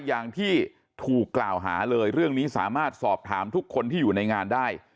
อย่างที่ถูกกล่าวหาเลยเรื่องนี้สามารถสอบถามทุกคนที่อยู่ในงานได้